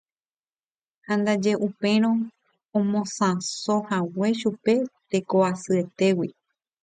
ha ndaje upérõ omosãsohague chupe teko'asyetégui.